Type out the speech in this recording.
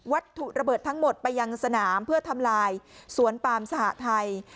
ถูกระเบิดทั้งหมดไปยังสนามเพื่อทำลายสวนปามสหทัย